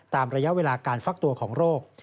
ระยะเวลาการฟักตัวของโรค